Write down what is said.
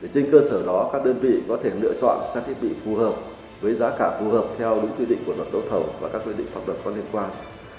trên cơ sở đó các đơn vị có thể lựa chọn các thiết bị phù hợp với giá cả phù hợp theo đúng quy định của luật đấu thầu và các quy định pháp luật có liên quan